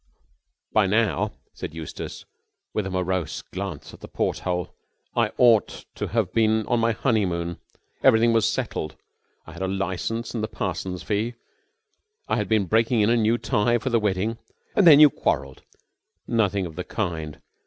By now," said Eustace, with a morose glance at the porthole, "I ought to have been on my honeymoon. Everything was settled. I had the license and the parson's fee. I had been breaking in a new tie for the wedding." "And then you quarrelled?" "Nothing of the kind.